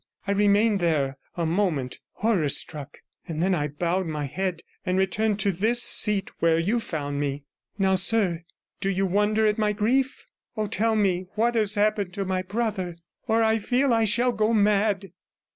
I remained there a moment horror struck, and then I bowed my head and returned to this seat, where you found me. Now, sir, do you wonder at my grief? Oh, tell me what has happened to my brother, or I feel I shall go mad!'